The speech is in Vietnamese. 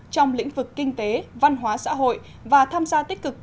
trong lĩnh vực kinh tế văn hóa xã hội và tham gia tích cực